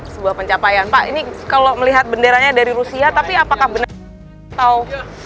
sebuah pencapaian pak ini kalau melihat benderanya dari rusia tapi apakah benar atau